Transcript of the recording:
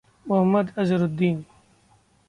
Muhammad Azharuddin